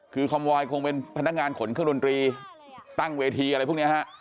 คือคำวอยคงเป็นพนักงานขนเครื่องดนตรีตั้งเวทีอะไรพวกนี้ฮะ